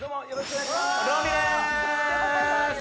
お願いします！